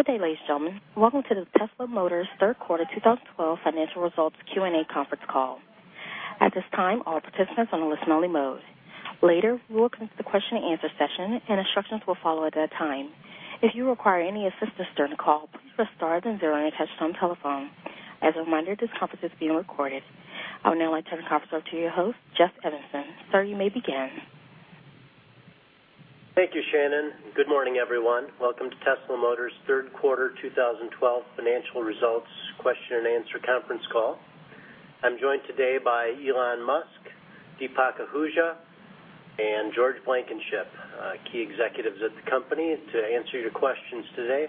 Good day, ladies and gentlemen. Welcome to the Tesla Motors Third Quarter 2012 Financial Results Q&A Conference Call. At this time, all participants on a listen-only mode. Later, we will commence the question and answer session and instructions will follow at that time. If you require any assistance during the call, please press star then zero on your touchtone telephone. As a reminder, this conference is being recorded. I would now like to turn the conference over to your host, Jeff Evanson. Sir, you may begin. Thank you, Shannon. Good morning, everyone. Welcome to Tesla Motors' Third Quarter 2012 Financial Results Question and Answer Conference Call. I'm joined today by Elon Musk, Deepak Ahuja, and George Blankenship, key executives at the company to answer your questions today.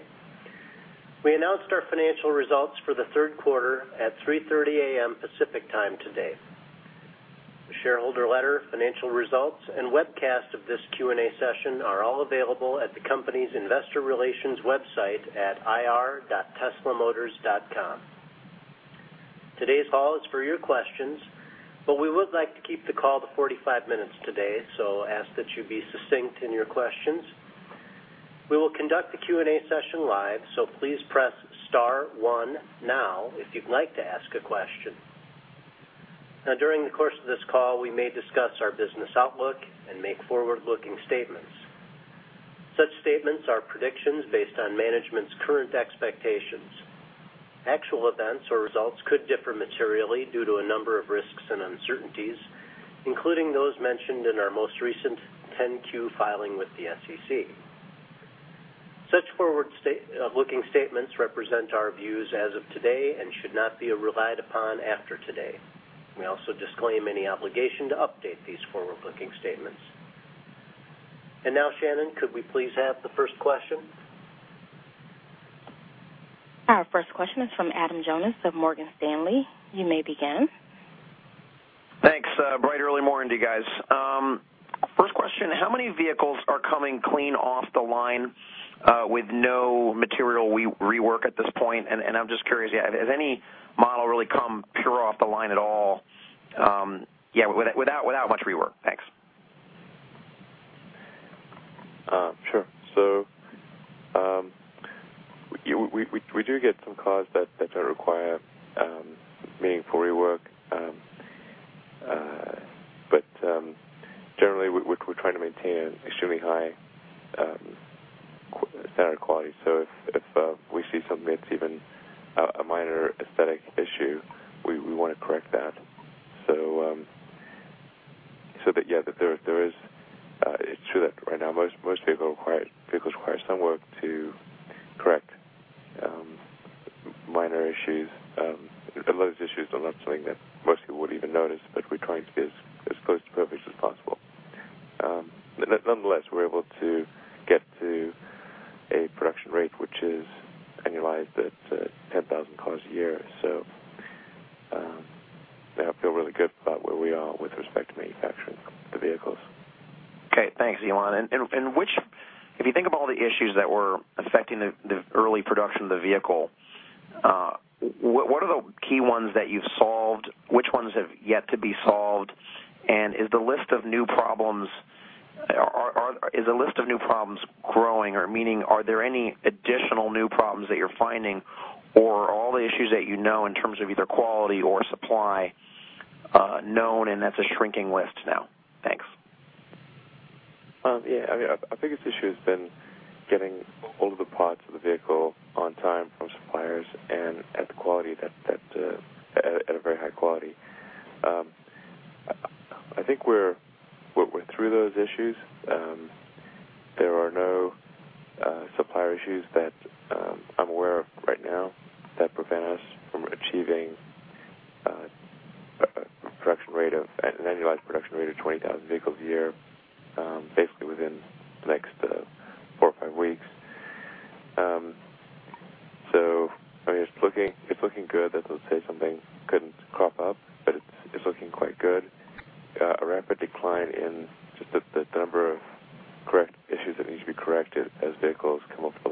We announced our financial results for the third quarter at 3:30 A.M. Pacific Time today. The shareholder letter, financial results, and webcast of this Q&A session are all available at the company's investor relations website at ir.teslamotors.com. Today's call is for your questions, we would like to keep the call to 45 minutes today, ask that you be succinct in your questions. We will conduct the Q&A session live, please press star one now if you'd like to ask a question. During the course of this call, we may discuss our business outlook and make forward-looking statements. Such statements are predictions based on management's current expectations. Actual events or results could differ materially due to a number of risks and uncertainties, including those mentioned in our most recent 10-Q filing with the SEC. Such forward-looking statements represent our views as of today and should not be relied upon after today. We also disclaim any obligation to update these forward-looking statements. Shannon, could we please have the first question? Our first question is from Adam Jonas of Morgan Stanley. You may begin. Thanks. Bright early morning to you guys. First question, how many vehicles are coming clean off the line, with no material rework at this point? I'm just curious, has any model really come pure off the line at all, without much rework? Thanks. Sure. We do get some cars that don't require meaningful rework. Generally, we're trying to maintain an extremely high standard of quality. If we see something that's even a minor aesthetic issue, we want to correct that. It's true that right now, most vehicles require some work to correct minor issues. A lot of these issues are not something that most people would even notice, but we're trying to be as close to perfect as possible. Nonetheless, we're able to get to a production rate, which is annualized at 10,000 cars a year. Yeah, I feel really good about where we are with respect to manufacturing the vehicles. Okay, thanks, Elon. If you think of all the issues that were affecting the early production of the vehicle, what are the key ones that you've solved? Which ones have yet to be solved? Is the list of new problems growing? Meaning, are there any additional new problems that you're finding, or are all the issues that you know in terms of either quality or supply, known and that's a shrinking list now? Thanks. Yeah. Our biggest issue has been getting all of the parts of the vehicle on time from suppliers and at a very high quality. I think we're through those issues. There are no supplier issues that I'm aware of right now that prevent us from achieving an annualized production rate of 20,000 vehicles a year, basically within the next four or five weeks. It's looking good. That's not to say something couldn't crop up, it's looking quite good. A rapid decline in just the number of issues that need to be corrected as vehicles come off the line.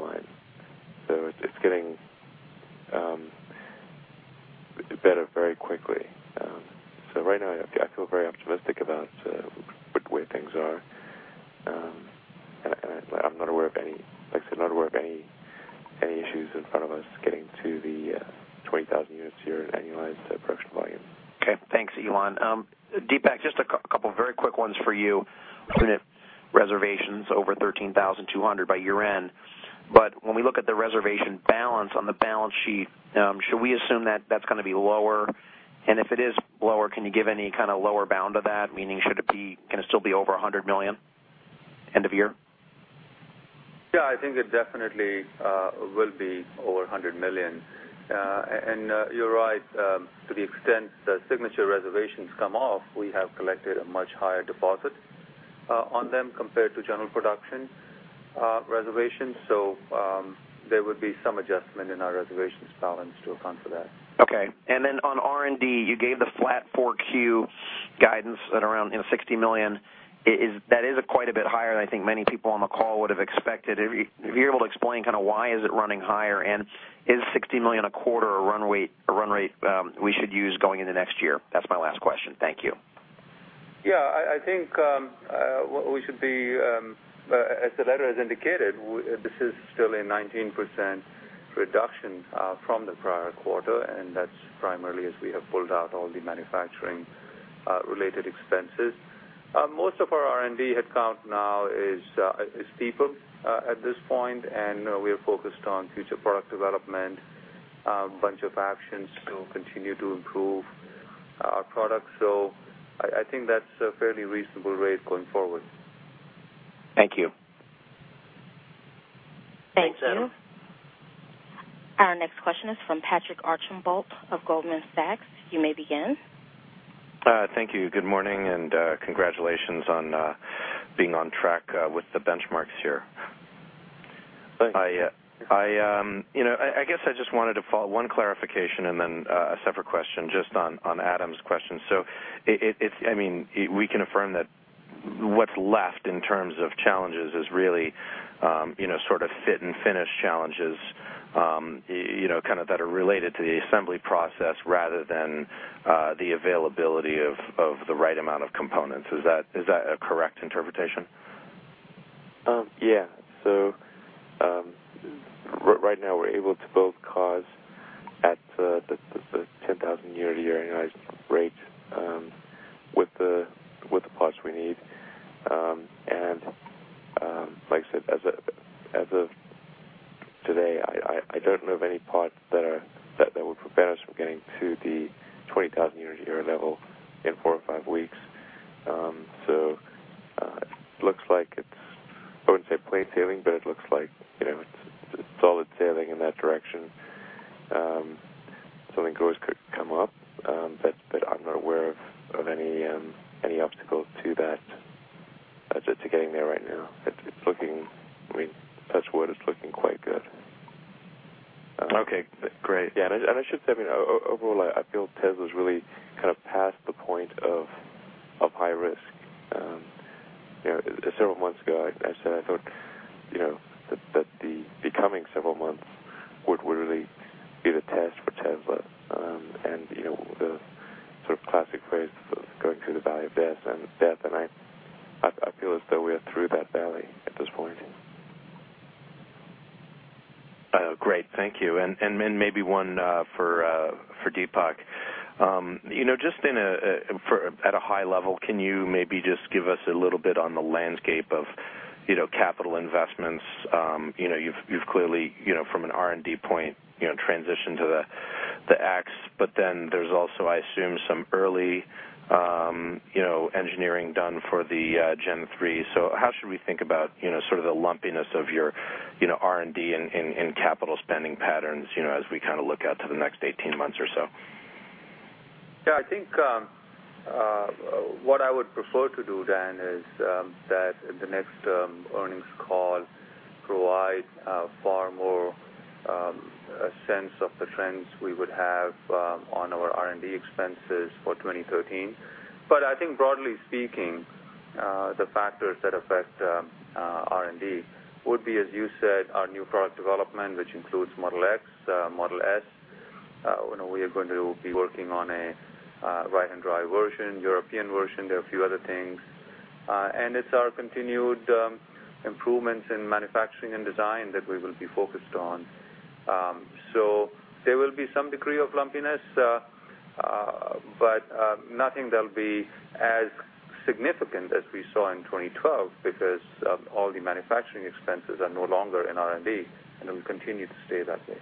It's getting better very quickly. Right now, I feel very optimistic about where things are. I'm not aware of any issues in front of us getting to the 20,000 units a year annualized production volume. Okay. Thanks, Elon. Deepak, just a couple of very quick ones for you. Signature reservations over 13,200 by year-end. When we look at the reservation balance on the balance sheet, should we assume that that's going to be lower? If it is lower, can you give any kind of lower bound of that? Meaning, can it still be over $100 million end of year? Yeah, I think it definitely will be over $100 million. You're right, to the extent that Signature reservations come off, we have collected a much higher deposit on them compared to general production reservations. There would be some adjustment in our reservations balance to account for that. Okay. On R&D, you gave the flat Q4 guidance at around $60 million. That is quite a bit higher than I think many people on the call would have expected. If you're able to explain why is it running higher, and is $60 million a quarter a run rate we should use going into next year? That's my last question. Thank you. Yeah, I think we should be, as the letter has indicated, this is still a 19% reduction from the prior quarter, and that's primarily as we have pulled out all the manufacturing-related expenses. Most of our R&D headcount now is steeper at this point, and we are focused on future product development, a bunch of actions to continue to improve our products. I think that's a fairly reasonable rate going forward. Thank you. Thank you. Thanks, Adam. Our next question is from Patrick Archambault of Goldman Sachs. You may begin. Thank you. Good morning, and congratulations on being on track with the benchmarks here. Thanks. I guess I just wanted to follow one clarification and then a separate question just on Adam's question. We can affirm that what's left in terms of challenges is really sort of fit and finish challenges, kind of that are related to the assembly process rather than the availability of the right amount of components. Is that a correct interpretation? Yeah. Right now we're able to build that the coming several months would really be the test for Tesla and the sort of classic phrase of going through the Valley of Death, I feel as though we are through that valley at this point. Great. Thank you. Then maybe one for Deepak. Just at a high level, can you maybe just give us a little bit on the landscape of capital investments? You've clearly, from an R&D point, transitioned to the X, but then there's also, I assume, some early engineering done for the Model 3. How should we think about sort of the lumpiness of your R&D and capital spending patterns as we kind of look out to the next 18 months or so? I think what I would prefer to do then is that in the next earnings call, provide a far more sense of the trends we would have on our R&D expenses for 2013. I think broadly speaking, the factors that affect R&D would be, as you said, our new product development, which includes Model X, Model S. We are going to be working on a right-hand drive version, European version, there are a few other things. It's our continued improvements in manufacturing and design that we will be focused on. There will be some degree of lumpiness, but nothing that'll be as significant as we saw in 2012 because all the manufacturing expenses are no longer in R&D, it will continue to stay that way.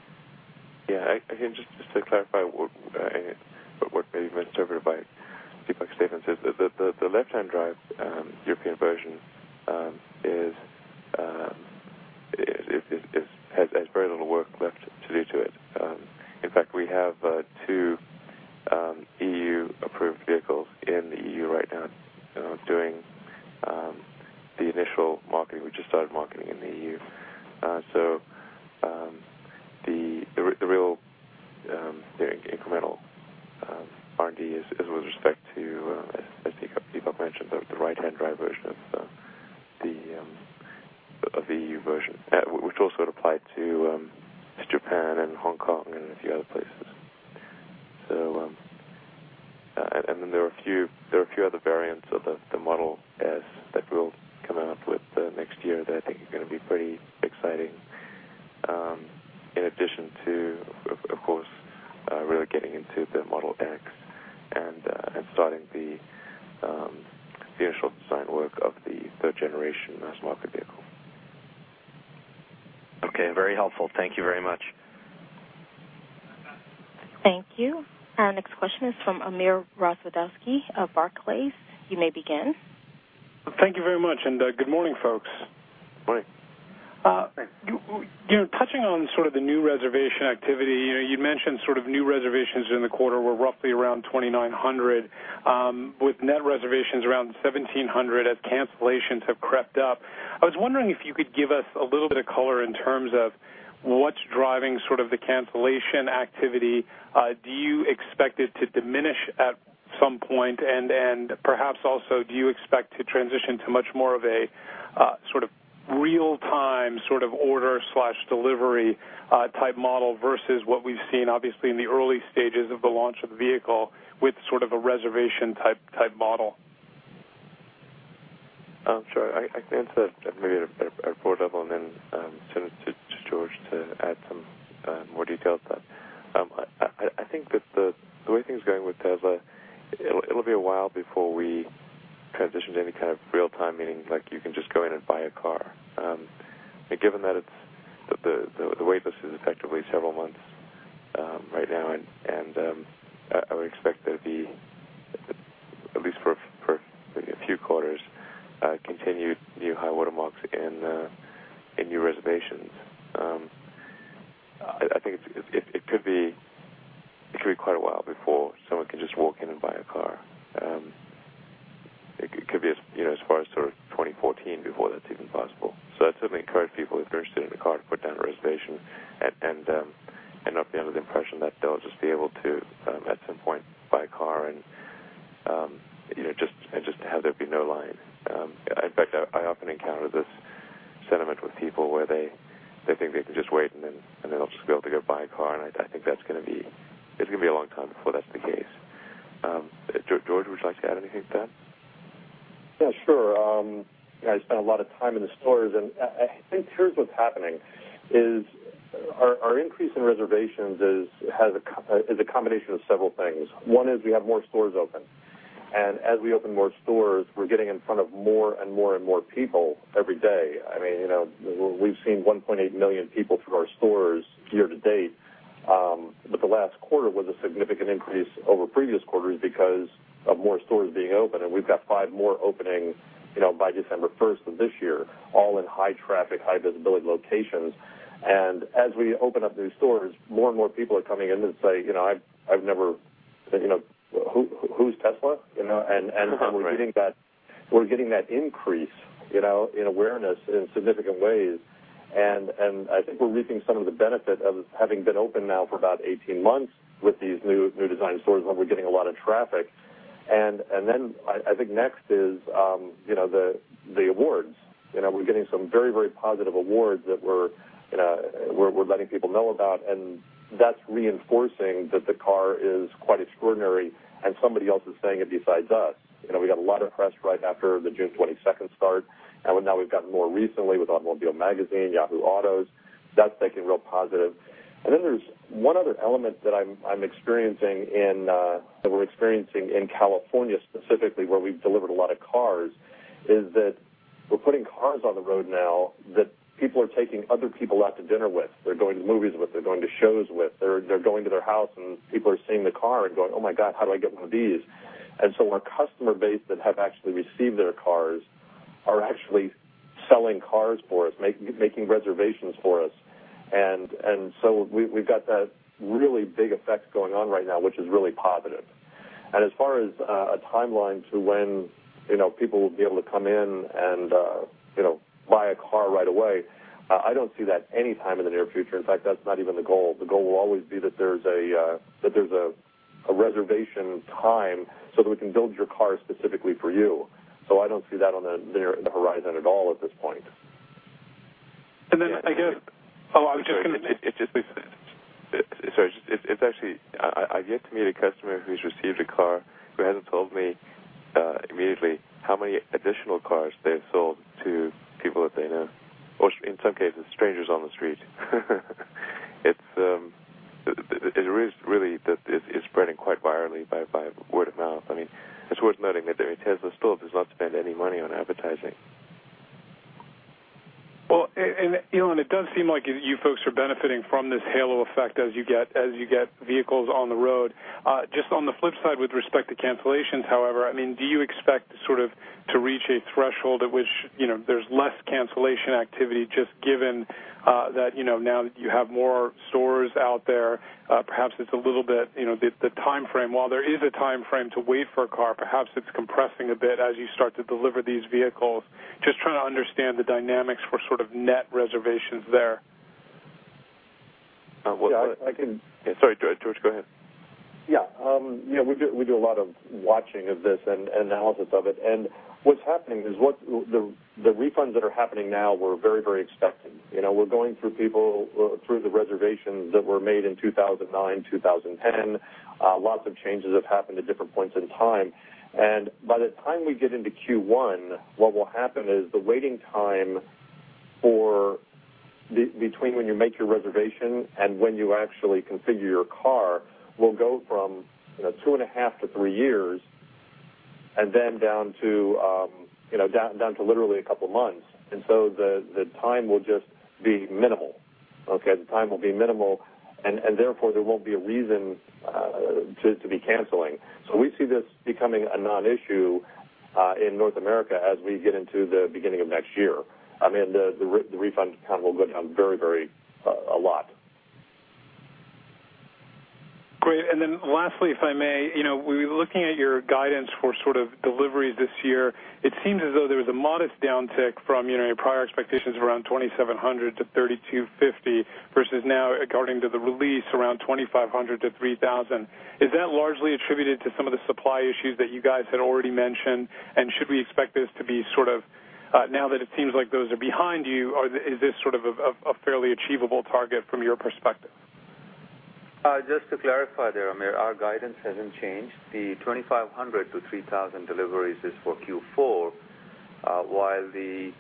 Just to clarify what may have been interpreted by Deepak's statements is the left-hand drive European version has very little work left to do to it. In fact, we have two EU-approved vehicles in the EU right now doing what's driving sort of the cancellation activity. Do you expect it to diminish at some point? Perhaps also, do you expect to transition to much more of a sort of Real-time order/delivery type model versus what we've seen, obviously, in the early stages of the launch of the vehicle with a reservation-type model. Sure. I can answer that maybe at a board level and then send it to George to add some more details. I think that the way things are going with Tesla, it'll be a while before we transition to any kind of real-time, meaning like you can just go in and buy a car. Given that the waitlist is effectively several months right now, and I would expect there'd be, at least for a few quarters, continued new high water marks in new reservations. I think it could be quite a while before someone can just walk in and buy a car. It could be as far as 2014 before that's even possible. That's something to encourage people, if they're interested in a car, to put down a reservation and not be under the impression that they'll just be able to, at some point, buy a car and just have there be no line. In fact, I often encounter this sentiment with people where they think they can just wait, and then they'll just be able to go buy a car, and I think it's going to be a long time before that's the case. George, would you like to add anything to that? Yeah, sure. I spent a lot of time in the stores, and I think here's what's happening is our increase in reservations is a combination of several things. One is we have more stores open, and as we open more stores, we're getting in front of more and more people every day. We've seen 1.8 million people through our stores year to date. The last quarter was a significant increase over previous quarters because of more stores being open, and we've got five more opening by December 1st of this year, all in high-traffic, high-visibility locations. As we open up new stores, more and more people are coming in and saying, "Who's Tesla? Right. We're getting that increase in awareness in significant ways, and I think we're reaping some of the benefit of having been open now for about 18 months with these new design stores where we're getting a lot of traffic. I think next is the awards. We're getting some very, very positive awards that we're letting people know about, and that's reinforcing that the car is quite extraordinary and somebody else is saying it besides us. We got a lot of press right after the June 22nd start. Now we've gotten more recently with Automobile Magazine, Yahoo Autos. That's been real positive. There's one other element that we're experiencing in California specifically, where we've delivered a lot of cars, is that we're putting cars on the road now that people are taking other people out to dinner with, they're going to movies with, they're going to shows with, they're going to their house, and people are seeing the car and going, "Oh, my God, how do I get one of these." Our customer base that have actually received their cars are actually selling cars for us, making reservations for us. We've got that really big effect going on right now, which is really positive. As far as a timeline to when people will be able to come in and buy a car right away, I don't see that anytime in the near future. In fact, that's not even the goal. The goal will always be that there's a reservation time so that we can build your car specifically for you. I don't see that on the horizon at all at this point. I guess I was just going to- Sorry. I've yet to meet a customer who's received a car who hasn't told me immediately how many additional cars they've sold to people that they know, or in some cases, strangers on the street. Really, it's spreading quite virally by word of mouth. It's worth noting that Tesla still does not spend any money on advertising. Well, Elon, it does seem like you folks are benefiting from this halo effect as you get vehicles on the road. Just on the flip side, with respect to cancellations, however, do you expect to reach a threshold at which there's less cancellation activity just given that now that you have more stores out there, perhaps it's a little bit, the timeframe, while there is a timeframe to wait for a car, perhaps it's compressing a bit as you start to deliver these vehicles. Just trying to understand the dynamics for net reservations there. Sorry, George, go ahead. Yeah. We do a lot of watching of this and analysis of it. What's happening is the refunds that are happening now were very, very expected. We're going through the reservations that were made in 2009, 2010. Lots of changes have happened at different points in time. By the time we get into Q1, what will happen is the waiting time between when you make your reservation and when you actually configure your car will go from two and a half to three years, then down to literally a couple of months. The time will just be minimal. Okay? The time will be minimal, and therefore, there won't be a reason to be canceling. We see this becoming a non-issue in North America as we get into the beginning of next year. The refund count will go down a lot. Great. Lastly, if I may, we were looking at your guidance for deliveries this year. It seems as though there was a modest downtick from your prior expectations around 2,700 to 3,250 versus now, according to the release, around 2,500 to 3,000. Is that largely attributed to some of the supply issues that you guys had already mentioned? Should we expect this to be, now that it seems like those are behind you, is this a fairly achievable target from your perspective? Just to clarify there, Amir, our guidance hasn't changed. The 2,500-3,000 deliveries is for Q4, while the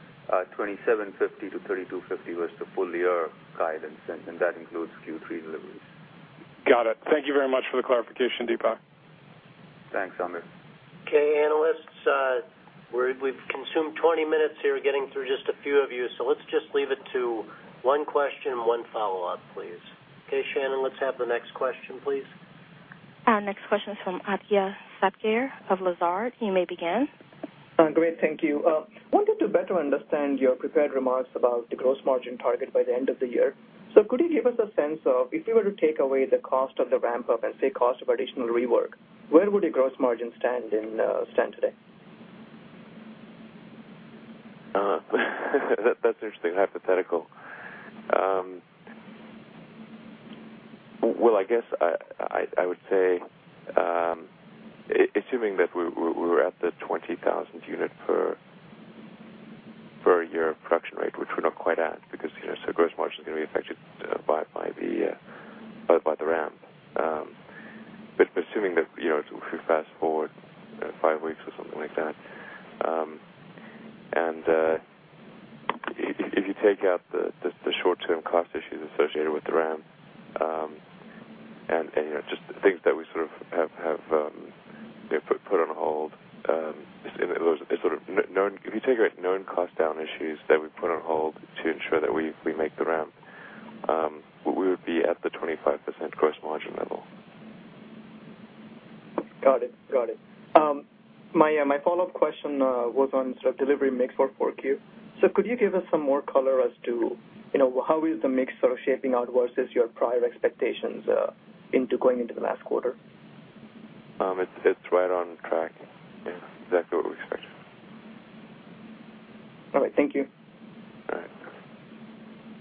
2,750-3,250 was the full year guidance, and that includes Q3 deliveries. Got it. Thank you very much for the clarification, Deepak. Thanks, Amir. Okay, analysts, we've consumed 20 minutes here getting through just a few of you, so let's just leave it to one question and one follow-up, please. Okay, Shannon, let's have the next question, please. Our next question is from Aditya Satghare of Lazard. You may begin. Great. Thank you. Wanted to better understand your prepared remarks about the gross margin target by the end of the year. Could you give us a sense of, if you were to take away the cost of the ramp-up and, say, cost of additional rework, where would your gross margin stand today? That's an interesting hypothetical. Well, I guess, I would say, assuming that we're at the 20,000 unit per year production rate, which we're not quite at because gross margin's going to be affected by the ramp. Assuming that if we fast-forward five weeks or something like that, and if you take out the short-term cost issues associated with the ramp, and just the things that we have put on hold, if you take out known cost down issues that we put on hold to ensure that we make the ramp, we would be at the 25% gross margin level. Got it. My follow-up question was on delivery mix for 4Q. Could you give us some more color as to how is the mix shaping out versus your prior expectations going into the last quarter? It's right on track. Yeah, exactly what we expected. All right. Thank you. All right.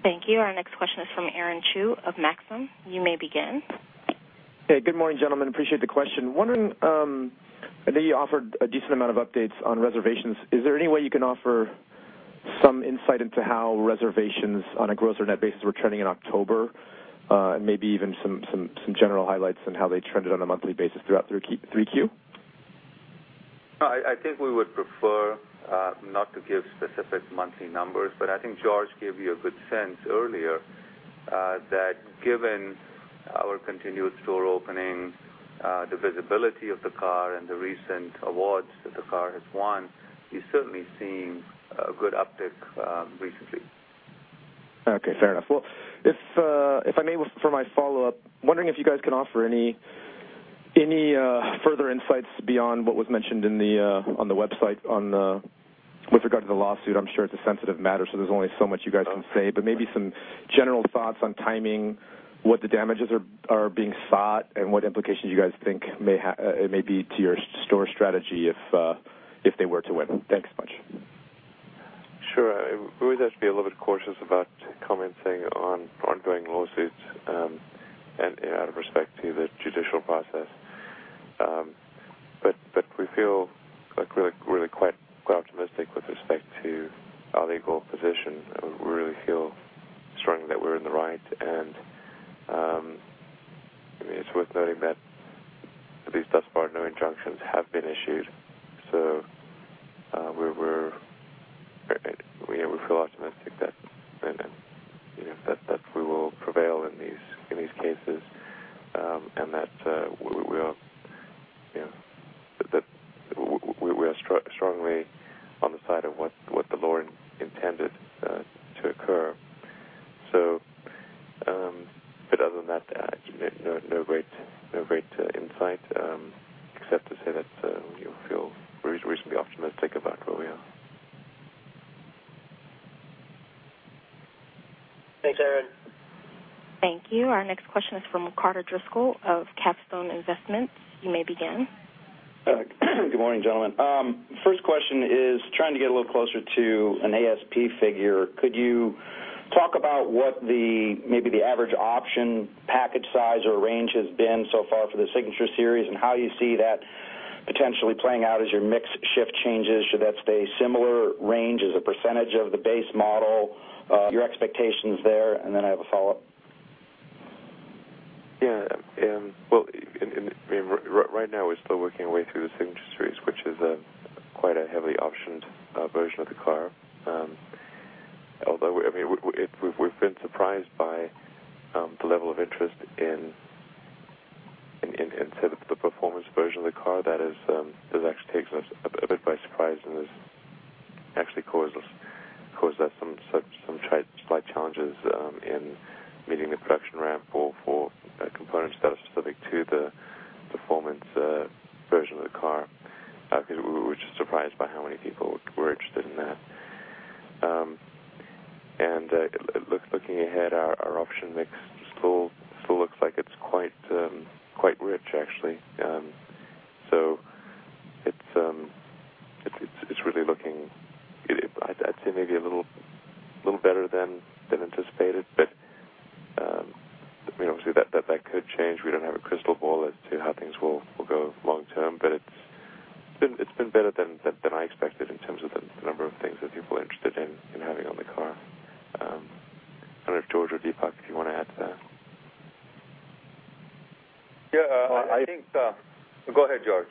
Thank you. Our next question is from Aaron Chew of Maxim. You may begin. Hey, good morning, gentlemen. Appreciate the question. Wondering, I know you offered a decent amount of updates on reservations. Is there any way you can offer some insight into how reservations on a gross or net basis were trending in October? Maybe even some general highlights on how they trended on a monthly basis throughout 3Q? I think we would prefer not to give specific monthly numbers. I think George gave you a good sense earlier, that given our continued store openings, the visibility of the car, and the recent awards that the car has won, we've certainly seen a good uptick recently. Okay, fair enough. Well, if I may, for my follow-up, wondering if you guys can offer any further insights beyond what was mentioned on the website with regard to the lawsuit. I'm sure it's a sensitive matter, there's only so much you guys can say. Maybe some general thoughts on timing, what the damages are being sought, and what implications you guys think it may be to your store strategy if they were to win. Thanks a bunch. Sure. We always have to be a little bit cautious about commenting on ongoing lawsuits and out of respect to the judicial process. We feel really quite optimistic with respect to our legal position. We really feel strongly that we're in the right and it's worth noting that at least thus far, no injunctions have been issued. We feel optimistic that we will prevail in these cases, and that we are strongly on the side of what the law intended to occur. Other than that, actually, no great insight except to say that we feel reasonably optimistic about where we are. Thanks, Aaron. Thank you. Our next question is from Carter Driscoll of Capstone Investments. You may begin. Good morning, gentlemen. First question is trying to get a little closer to an ASP figure. Could you talk about what maybe the average option package size or range has been so far for the Signature series, and how you see that potentially playing out as your mix shift changes? Should that stay similar range as a percentage of the base model? Your expectations there. I have a follow-up. Right now we're still working our way through the Signature series, which is quite a heavily optioned version of the car. We've been surprised by the level of interest in the performance version of the car. That has actually taken us a bit by surprise and has actually caused us some slight challenges in meeting the production ramp or for components that are specific to the performance version of the car. We were just surprised by how many people were interested in that. Looking ahead, our option mix still looks like it's quite rich, actually. It's really looking, I'd say maybe a little better than anticipated. Obviously that could change. We don't have a crystal ball as to how things will go long term, but it's been better than I expected. I don't know if George or Deepak, if you want to add to that? Yeah, Go ahead, George.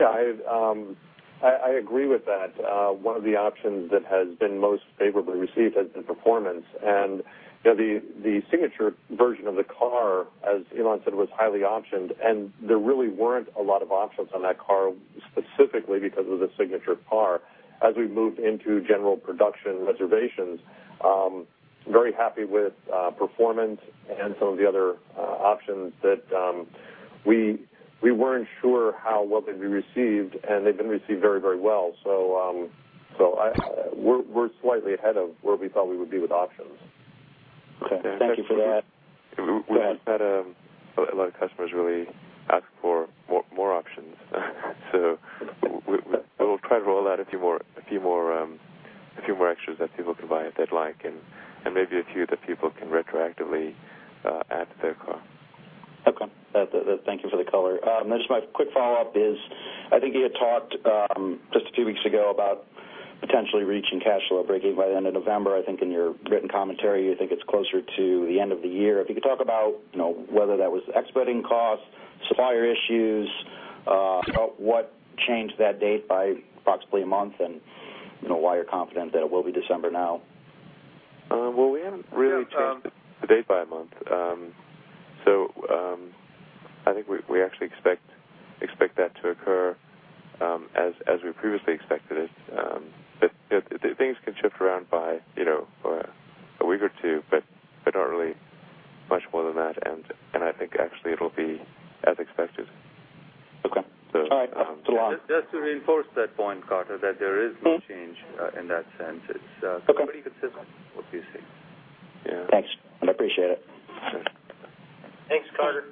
Yeah, I agree with that. One of the options that has been most favorably received has been performance. The Signature version of the car, as Elon said, was highly optioned, and there really weren't a lot of options on that car, specifically because it was a Signature car. As we moved into general production reservations, very happy with performance and some of the other options that we weren't sure how well they'd be received, and they've been received very well. We're slightly ahead of where we thought we would be with options. Okay. Thank you for that. Go ahead. We've had a lot of customers really ask for more options. We will try to roll out a few more extras that people can buy if they'd like, and maybe a few that people can retroactively add to their car. Okay. Thank you for the color. Just my quick follow-up is, I think you had talked, just a few weeks ago, about potentially reaching cash flow breakeven by the end of November. I think in your written commentary, you think it's closer to the end of the year. If you could talk about whether that was expediting costs, supplier issues, about what changed that date by approximately a month and why you're confident that it will be December now. Well, we haven't really changed the date by a month. I think we actually expect that to occur as we previously expected it. Things can shift around by a week or two, but not really much more than that, and I think actually it'll be as expected. Okay. All right. Elon- Just to reinforce that point, Carter, that there is no change in that sense. Okay pretty consistent with what you see. Yeah. Thanks. I appreciate it. Sure. Thanks, Carter.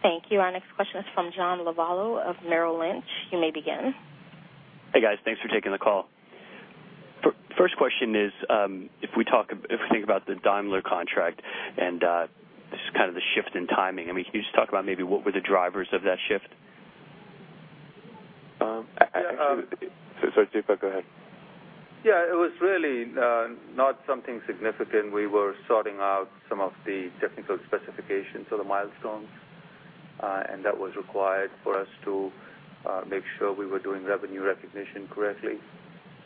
Thank you. Our next question is from John Lovallo of Merrill Lynch. You may begin. Hey, guys. Thanks for taking the call. First question is, if we think about the Daimler contract and just kind of the shift in timing, can you just talk about maybe what were the drivers of that shift? Sorry, Deepak, go ahead. Yeah, it was really not something significant. We were sorting out some of the technical specifications for the milestones, and that was required for us to make sure we were doing revenue recognition correctly,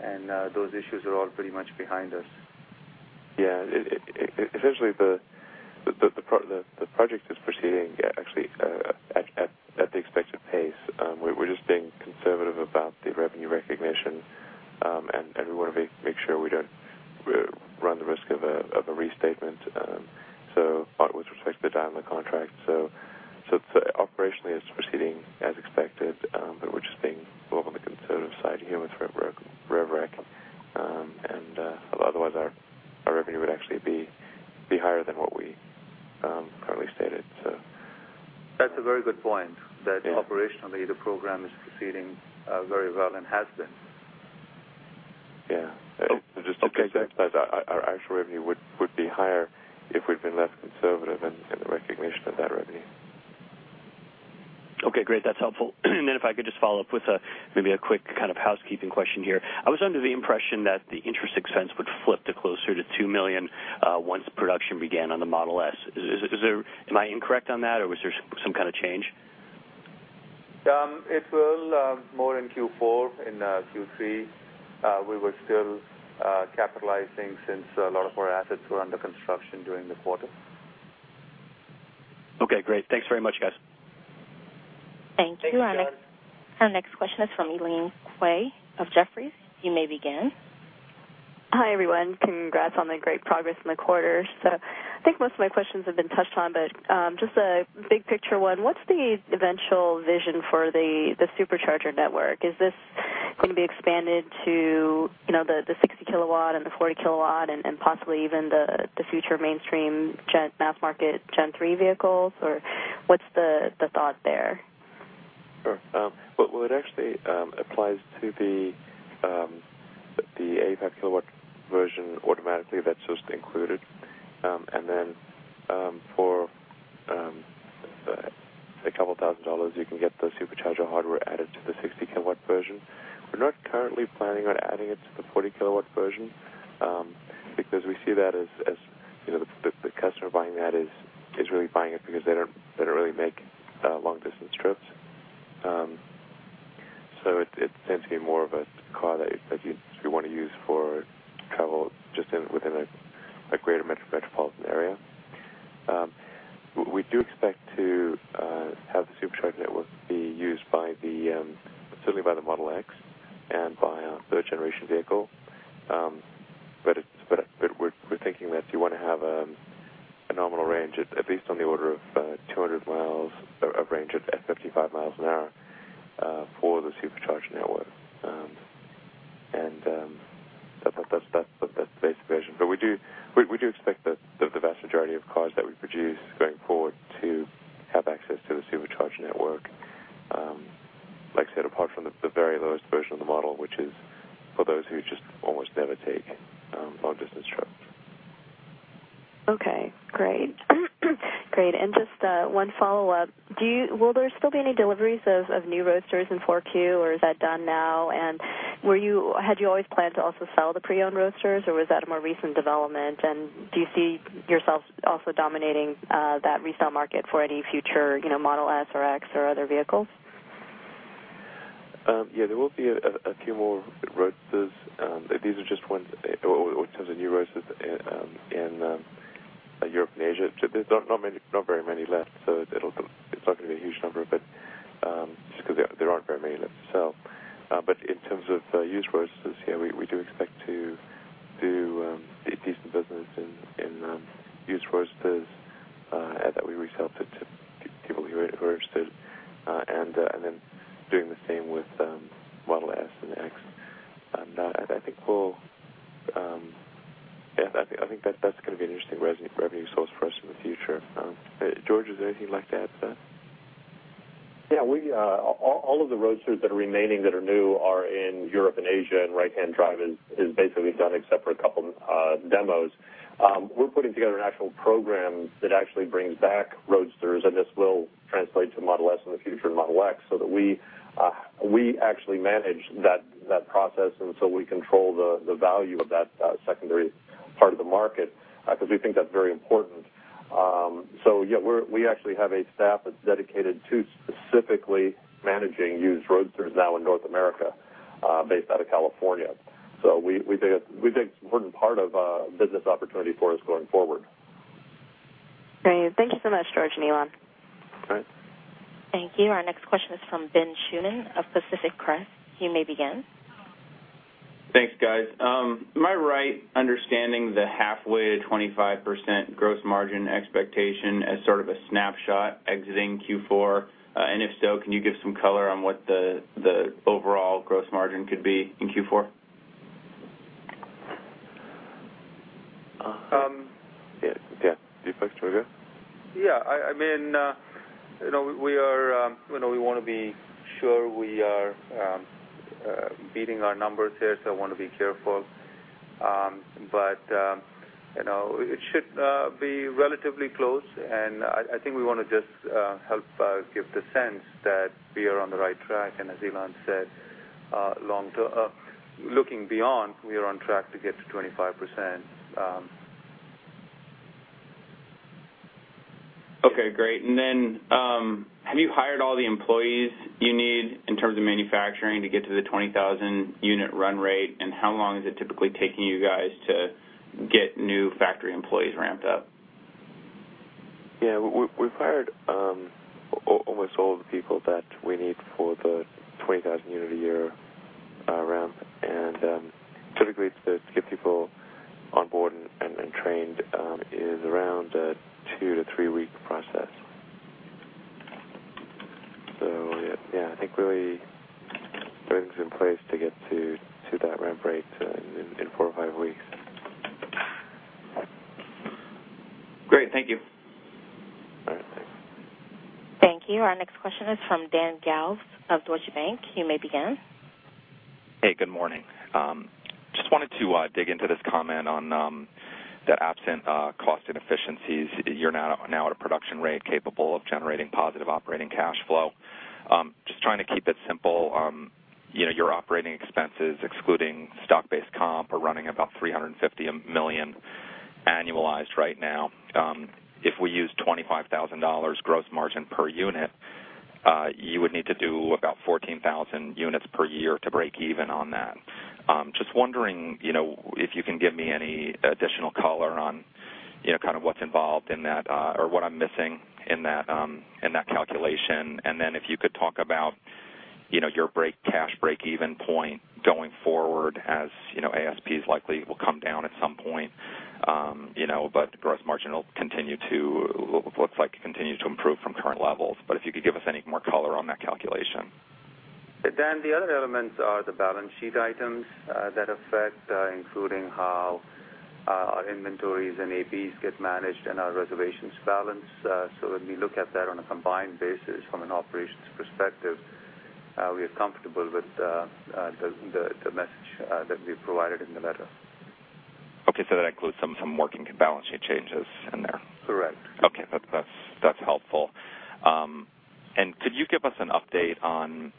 and those issues are all pretty much behind us. Yeah. Essentially, the project is proceeding actually at the expected pace. We're just being conservative about the revenue recognition, and we want to make sure we don't run the risk of a restatement with respect to the Daimler contract. Operationally, it's proceeding as expected, but we're just being more on the conservative side here with rev rec and otherwise our revenue would actually be higher than what we currently stated. That's a very good point, that operationally the program is proceeding very well and has been. Yeah. Just to emphasize, our actual revenue would be higher if we'd been less conservative in the recognition of that revenue. Okay, great. That's helpful. If I could just follow up with maybe a quick kind of housekeeping question here. I was under the impression that the interest expense would flip to closer to $2 million once production began on the Model S. Am I incorrect on that, or was there some kind of change? It will more in Q4. In Q3, we were still capitalizing since a lot of our assets were under construction during the quarter. Okay, great. Thanks very much, guys. Thank you. Thanks, John. Our next question is from Elaine Kwei of Jefferies. You may begin. Hi, everyone. Congrats on the great progress in the quarter. I think most of my questions have been touched on, but just a big picture one. What's the eventual vision for the Supercharger network? Is this going to be expanded to the 60 kilowatt and the 40 kilowatt and possibly even the future mainstream mass market Model 3 vehicles, or what's the thought there? Sure. Well, it actually applies to the 85 kilowatt version automatically. That's just included. Then for a couple thousand dollars, you can get the Supercharger hardware added to the 60 kilowatt version. We're not currently planning on adding it to the 40 kilowatt version, because we see that as the customer buying that is really buying it because they don't really make long-distance trips. It tends to be more of a car that you'd want to use for travel just within a greater metropolitan area. We do expect to have the Supercharger network be used certainly by the Model X and by our third-generation vehicle, but we're thinking that you want to have a nominal range at least on the order of 200 miles of range at 55 miles an hour for the Supercharger network. That's the basic vision. We do expect that the vast majority of cars that we produce going forward to have access to the Supercharger network. Like I said, apart from the very lowest version of the model, which is for those who just almost never take long-distance trips. Okay, great. Great. Just one follow-up. Will there still be any deliveries of new Roadsters in 4Q, or is that done now? Had you always planned to also sell the pre-owned Roadsters, or was that a more recent development? Do you see yourselves also dominating that resale market for any future Model S or X or other vehicles? Yeah, there will be a few more Roadsters. These are just ones in terms of new Roadsters in Europe and Asia. There's not very many left, so it's not going to be a huge number, just because there aren't very many left to sell. In terms of used Roadsters, yeah, we do expect to do decent business in used Roadsters that we resell to people who are interested, and then doing the same with Model S and X. I think that's going to be an interesting revenue source for us in the future. George, is there anything you'd like to add to that? Yeah. All of the Roadsters that are remaining that are new are in Europe and Asia, and right-hand drive is basically done except for a couple demos. We're putting together an actual program that actually brings back Roadsters, and this will translate to Model S in the future and Model X, so that we actually manage that process and we control the value of that secondary part of the market, because we think that's very important. Yeah, we actually have a staff that's dedicated to specifically managing used Roadsters now in North America, based out of California. We think it's an important part of a business opportunity for us going forward. Great. Thank you so much, George and Elon. All right. Thank you. Our next question is from Ben Schuman of Pacific Crest. You may begin. Thanks, guys. Am I right understanding the halfway to 25% gross margin expectation as sort of a snapshot exiting Q4? If so, can you give some color on what the overall gross margin could be in Q4? Yeah. Deepak, do you want to go? Yeah. We want to be sure we are beating our numbers here, so I want to be careful. It should be relatively close. I think we want to just help give the sense that we are on the right track. As Elon said, looking beyond, we are on track to get to 25%. Okay, great. Have you hired all the employees you need in terms of manufacturing to get to the 20,000 unit run rate? How long is it typically taking you guys to get new factory employees ramped up? Yeah. We've hired almost all the people that we need for the 20,000 unit a year ramp. Typically, to get people on board and trained is around a two- to three-week process. Yeah, I think really everything's in place to get to that ramp rate in four or five weeks. Great. Thank you. All right, thanks. Thank you. Our next question is from Dan Galves of Deutsche Bank. You may begin. Hey, good morning. Just wanted to dig into this comment on the absent cost inefficiencies. You're now at a production rate capable of generating positive operating cash flow. Just trying to keep it simple. Your operating expenses, excluding stock-based comp, are running about $350 million annualized right now. If we use $25,000 gross margin per unit, you would need to do about 14,000 units per year to break even on that. Just wondering if you can give me any additional color on what's involved in that, or what I'm missing in that calculation. If you could talk about your cash break-even point going forward, as ASPs likely will come down at some point. Gross margin looks like it continues to improve from current levels, but if you could give us any more color on that calculation. Dan, the other elements are the balance sheet items that affect, including how our inventories and APs get managed and our reservations balance. When we look at that on a combined basis from an operations perspective, we are comfortable with the message that we provided in the letter. Okay, that includes some working balance sheet changes in there. Correct. Okay. That's helpful. Could you give us an update on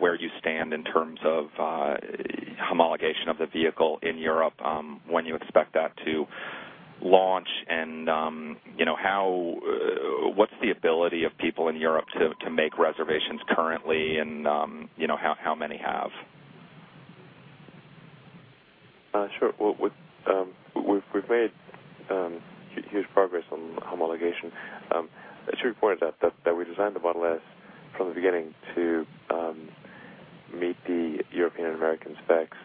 where you stand in terms of homologation of the vehicle in Europe, when you expect that to launch, and what's the ability of people in Europe to make reservations currently, and how many have? Sure. We've made huge progress on homologation. As you reported, that we designed the Model S from the beginning to meet the European and American specs,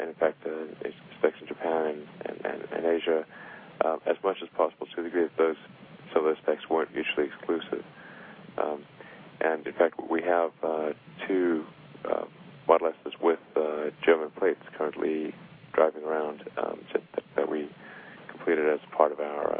in fact, the specs in Japan and Asia as much as possible to the degree that those specs weren't mutually exclusive. In fact, we have two Model S's with German plates currently driving around that we completed as part of our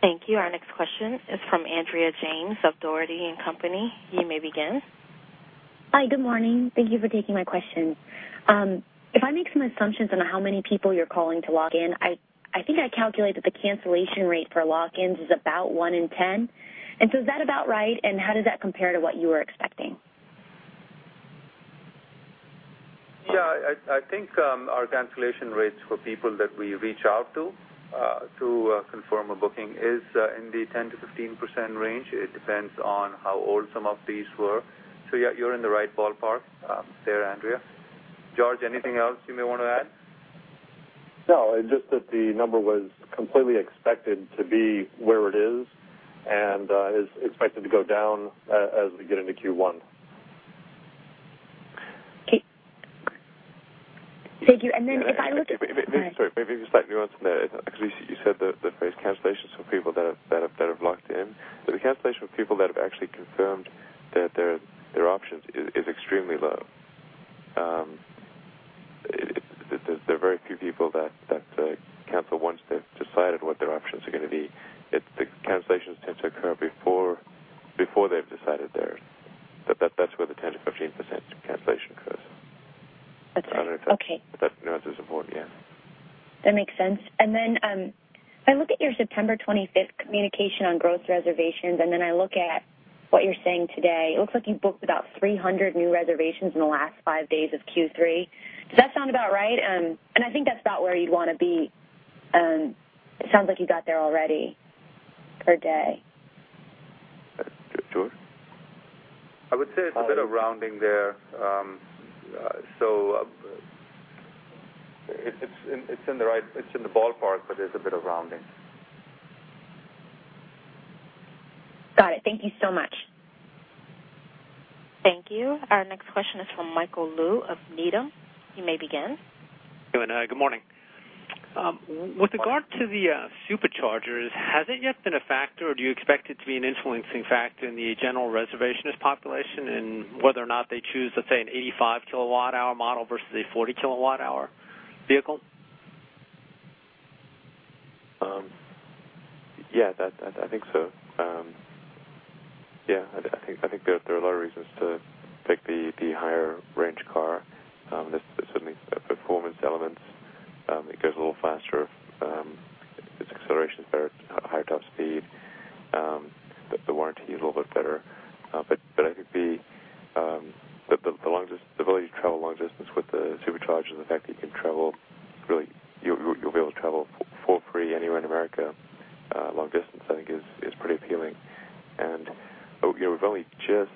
Thank you. Our next question is from Andrea James of Dougherty & Company. You may begin. Hi, good morning. Thank you for taking my question. If I make some assumptions on how many people you're calling to lock in, I think I calculate that the cancellation rate for lock-ins is about one in 10. Is that about right, and how does that compare to what you were expecting? Yeah, I think our cancellation rates for people that we reach out to confirm a booking is in the 10%-15% range. It depends on how old some of these were. Yeah, you're in the right ballpark there, Andrea. George, anything else you may want to add? No, just that the number was completely expected to be where it is and is expected to go down as we get into Q1. Okay. Thank you. if I look- Sorry, maybe a slight nuance in there. Actually, you said the phrase cancellations for people that have locked in. The cancellation for people that have actually confirmed their options is extremely low. There are very few people that cancel once they've decided what their options are going to be. The cancellations tend to occur before they've decided. That's where the 10%-15% cancellation occurs. Okay. I don't know if that nuance is important. Yeah. That makes sense. I look at your September 25th communication on growth reservations. I look at what you're saying today. It looks like you've booked about 300 new reservations in the last five days of Q3. Does that sound about right? I think that's about where you'd want to be. It sounds like you got there already per day. George? I would say it's a bit of rounding there. It's in the ballpark, there's a bit of rounding. Got it. Thank you so much. Thank you. Our next question is from Michael Lew of Needham. You may begin. Good morning. With regard to the Superchargers, has it yet been a factor, or do you expect it to be an influencing factor in the general reservationist population and whether or not they choose, let's say, an 85 kilowatt-hour model versus a 40 kilowatt-hour vehicle? Yeah, I think so. Yeah, I think there are a lot of reasons to take the higher range car. There's certainly performance elements. It goes a little faster, its acceleration's better, higher top speed. The warranty is a little bit better. I think the ability to travel long distance with the Superchargers and the fact that you'll be able to travel for free anywhere in America long distance, I think is pretty appealing. We've only just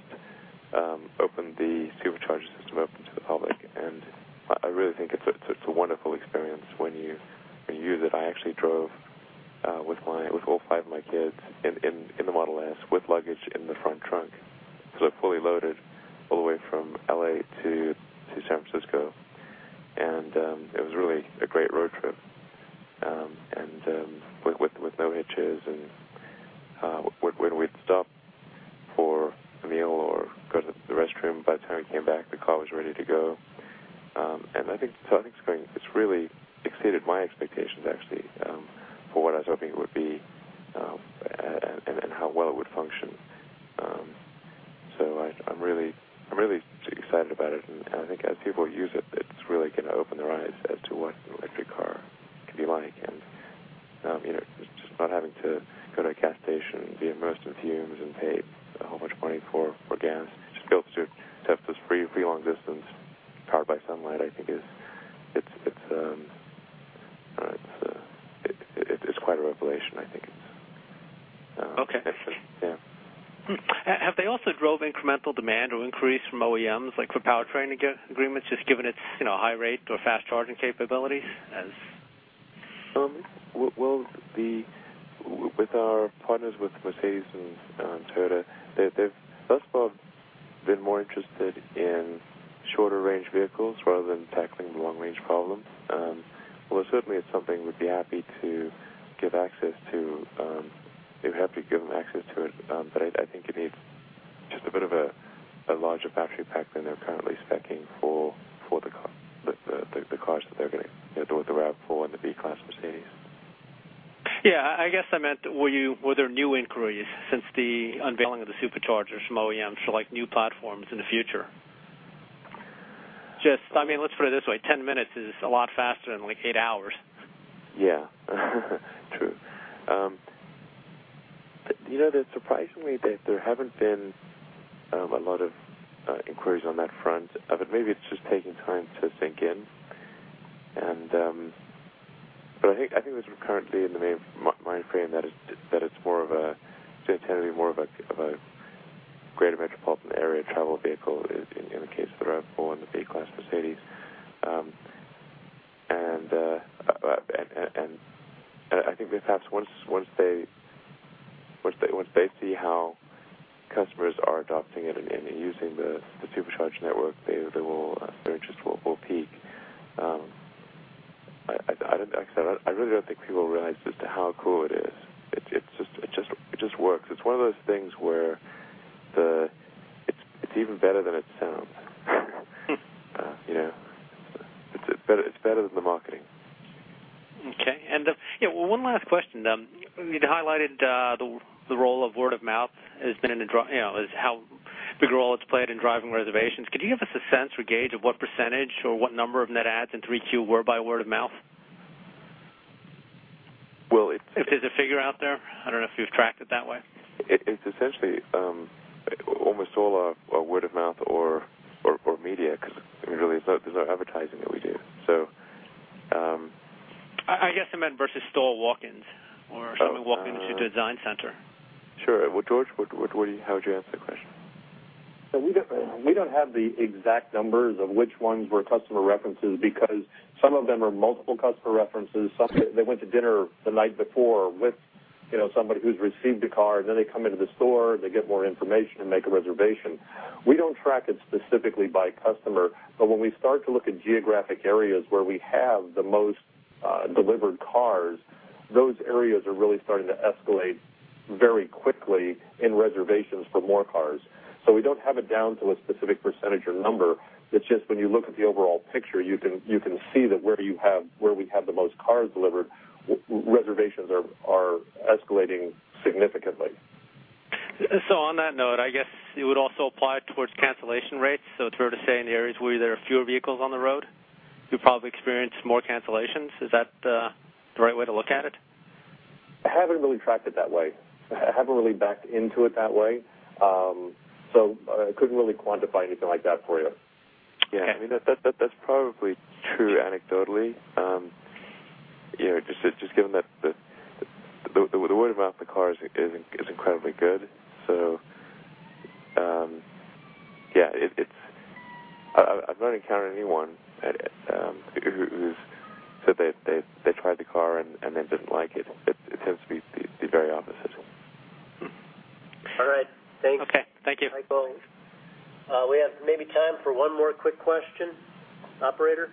opened the Supercharger system up to the public, and I really think it's a wonderful experience when you use it. I actually drove with all five of my kids in the Model S with luggage in the front trunk, so fully loaded, all the way from L.A. to San Francisco. It was really a great road trip and with no hitches. When we'd stop for a meal or go to the restroom, by the time we came back, the car was ready to go. I think it's really exceeded my expectations, actually, for what I was hoping it would be and how well it would function. I'm really excited about it, and I think as people use it's really going to open their eyes as to what an electric car can be like. Just not having to go to a gas station, be immersed in fumes, and pay how much money for gas, just be able to have this free long distance powered by sunlight, I think it's quite a revelation, I think. Okay. Yeah. Have they also drove incremental demand or increase from OEMs, like for powertrain agreements, just given its high rate or fast charging capabilities? With our partners with Mercedes-Benz and Toyota, they've thus far been more interested in shorter-range vehicles rather than tackling the long-range problem. While certainly, it's something we'd be happy to give access to. After you give them access to it, but I think it needs just a bit of a larger battery pack than they're currently speccing for the cars that they're getting, the RAV4 and the B-Class Mercedes-Benz. Yeah. I guess I meant were there new inquiries since the unveiling of the Superchargers from OEMs for new platforms in the future? Let's put it this way, 10 minutes is a lot faster than eight hours. Yeah. True. It's surprisingly that there haven't been a lot of inquiries on that front. Maybe it's just taking time to sink in. I think what's currently in the mainframe that it's going to tend to be more of a greater metropolitan area travel vehicle in the case of the RAV4 and the B-Class Mercedes-Benz. I think perhaps once they see how customers are adopting it and using the Supercharge network, their interest will peak. Like I said, I really don't think people realize just how cool it is. It just works. It's one of those things where it's even better than it sounds. It's better than the marketing. Okay. One last question. How big a role it's played in driving reservations. Could you give us a sense or gauge of what % or what number of net adds in 3Q were by word of mouth? Well. If there's a figure out there, I don't know if you've tracked it that way. It's essentially almost all are word of mouth or media, because really, there's no advertising that we do. I guess I meant versus store walk-ins or someone walk into a design center. Sure. Well, George, how would you answer the question? We don't have the exact numbers of which ones were customer references, because some of them are multiple customer references. Some, they went to dinner the night before with somebody who's received a car, and then they come into the store, they get more information and make a reservation. We don't track it specifically by customer, but when we start to look at geographic areas where we have the most delivered cars, those areas are really starting to escalate very quickly in reservations for more cars. We don't have it down to a specific percentage or number. It's just when you look at the overall picture, you can see that where we have the most cars delivered, reservations are escalating significantly. On that note, I guess it would also apply towards cancellation rates. It's fair to say in the areas where there are fewer vehicles on the road, you probably experience more cancellations. Is that the right way to look at it? I haven't really tracked it that way. I haven't really backed into it that way. I couldn't really quantify anything like that for you. Yeah. That's probably true anecdotally. Just given that the word of mouth of the car is incredibly good. Yeah. I've not encountered anyone who's said they've tried the car and then didn't like it. It tends to be the very opposite. All right. Thanks. Okay. Thank you. Mike going. We have maybe time for one more quick question. Operator?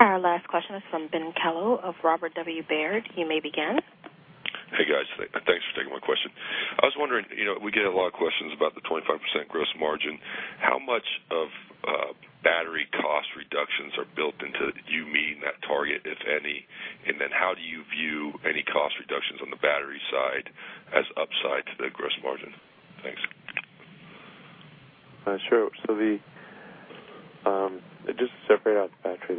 Our last question is from Ben Kallo of Robert W. Baird. You may begin. Hey, guys. Thanks for taking my question. I was wondering, we get a lot of questions about the 25% gross margin. How much of battery cost reductions are built into you meeting that target, if any? How do you view any cost reductions on the battery side as upside to the gross margin? Thanks. Sure. Just to separate out the battery,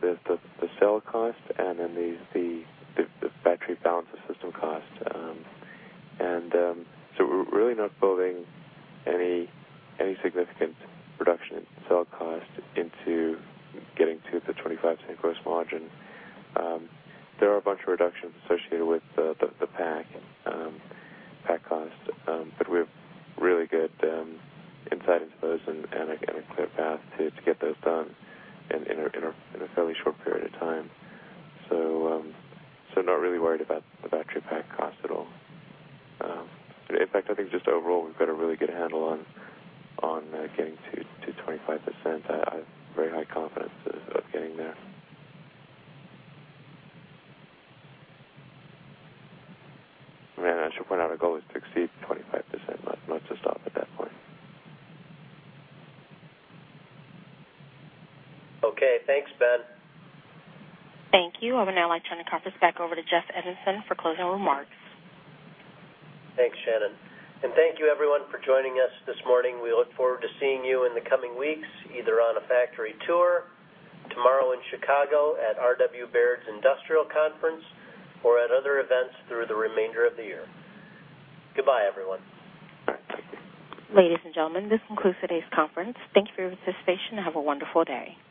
there's the cell cost and then the battery balancer system cost. We're really not building any significant reduction in cell cost into getting to the 25% gross margin. There are a bunch of reductions associated with the pack cost, we have really good insight into those and a clear path to get those done in a fairly short period of time. Not really worried about the battery pack cost at all. In fact, I think just overall, we've got a really good handle on getting to 25%. I have very high confidence of getting there. I should point out, our goal is to exceed 25%, not to stop at that point. Okay, thanks, Ben. Thank you. I would now like to turn the conference back over to Jeff Evanson for closing remarks. Thanks, Shannon. Thank you everyone for joining us this morning. We look forward to seeing you in the coming weeks, either on a factory tour, tomorrow in Chicago at RW Baird's Industrial Conference, or at other events through the remainder of the year. Goodbye, everyone. Ladies and gentlemen, this concludes today's conference. Thank you for your participation and have a wonderful day.